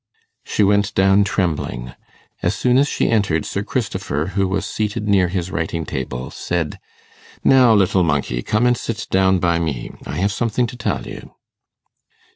She went down trembling. As soon as she entered, Sir Christopher, who was seated near his writing table, said, 'Now, little monkey, come and sit down by me; I have something to tell you.